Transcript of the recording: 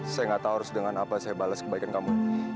saya nggak tahu harus dengan apa saya balas kebaikan kamu